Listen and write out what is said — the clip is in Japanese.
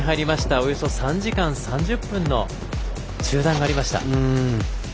およそ３時間３０分の中断がありました。